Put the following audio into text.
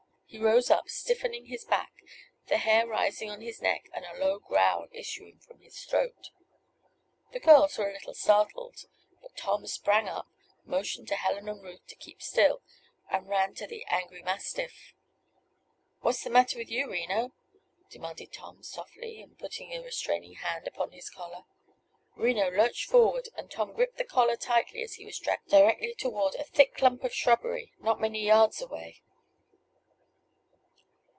He rose up, stiffening his back, the hair rising on his neck, and a low growl issuing from his throat. The girls were a little startled, but Tom sprang up, motioned to Helen and Ruth to keep still, and ran to the angry mastiff. "What's the matter with you, Reno?" demanded Tom, softly, but putting a restraining hand upon his collar. Reno lurched forward, and Tom gripped the collar tightly as he was dragged directly toward a thick dump of shrubbery not many yards away.